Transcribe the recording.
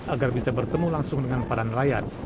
agar bisa bertemu langsung dengan para nelayan